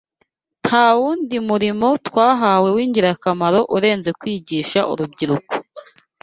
Nta wundi murimo twahawe w’ingirakamaro urenze kwigisha urubyiruko